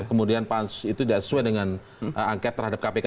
kemudian itu tidak sesuai dengan angkat terhadap kpk